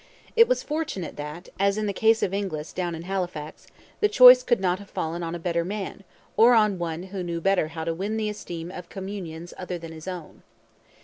It was fortunate that, as in the case of Inglis down in Halifax, the choice could not have fallen on a better man or on one who knew better how to win the esteem of communions other than his own.